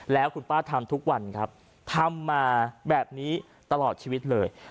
แล้วคุณป้าทำทุกวันครับทำมาแบบนี้ตลอดชีวิตเลย